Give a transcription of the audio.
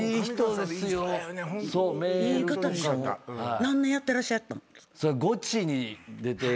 何年やってらっしゃった？